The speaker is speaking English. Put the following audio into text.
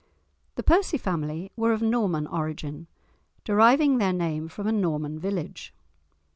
The Percy family were of Norman origin, deriving their name from a Norman village.